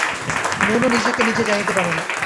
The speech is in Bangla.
মনও নিজেকে নিজে জানিতে পারে না।